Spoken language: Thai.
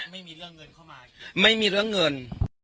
ไม่มีเรื่องเงินเข้ามาไม่มีเรื่องเงิน